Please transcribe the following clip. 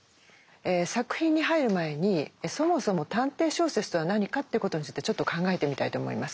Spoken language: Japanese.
作品に入る前にそもそも探偵小説とは何かということについてちょっと考えてみたいと思います。